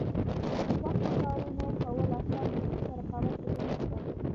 د سختو کارونو کول اسانه دي ځکه رقابت پکې نشته.